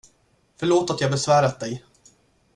Förlåt att jag besvärat dig.